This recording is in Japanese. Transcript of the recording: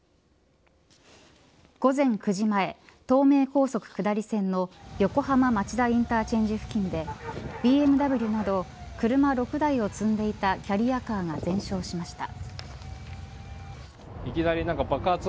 午前９時前、東名高速下り線の横浜町田インターチェンジ付近でＢＭＷなど車６台を積んでいたキャリアカーが全焼しました。